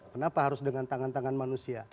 kenapa harus dengan tangan tangan manusia